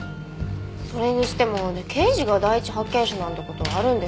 それにしても刑事が第一発見者なんて事あるんですね。